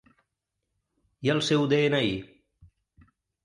I el seu de-ena-i?